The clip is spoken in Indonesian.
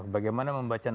bagaimana membuat vaksin